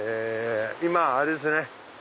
今あれですね。